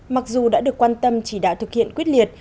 mặc dù đã được quan tâm chỉ đạo thực hiện quyết liệt